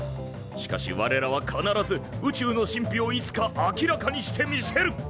しかし我らは必ず宇宙の神秘をいつか明らかにしてみせる！